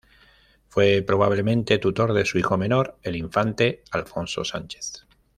Fue probablemente tutor de su hijo menor, el infante Alfonso Sánchez.